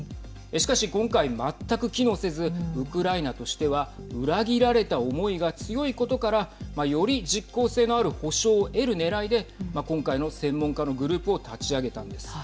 しかし今回、全く機能せずウクライナとしては裏切られた思いが強いことからより実効性のある保障を得るねらいで今回の専門家のグループを立ち上げたんです。